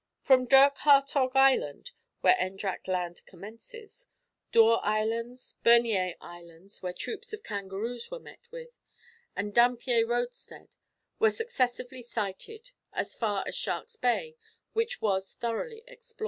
From Dirk Hartog Island (where Endracht Land commences), Doore Islands, Bernier Islands (where troops of kangaroos were met with), and Dampier roadstead, were successively sighted, as far as Shark's Bay, which was thoroughly explored.